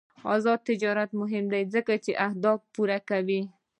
آزاد تجارت مهم دی ځکه چې اهداف پوره کوي.